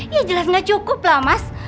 ya jelas nggak cukup lah mas